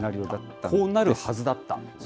こうなるはずだった？